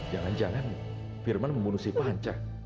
jangan jangan firman membunuh si panca